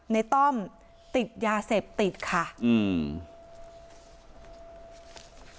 ต้อมติดยาเสพติดค่ะอืม